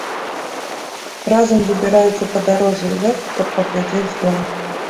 Разам выбіраюцца ў падарожжа ў вёску каб паглядзець дом.